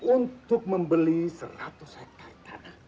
untuk membeli seratus hektare tanah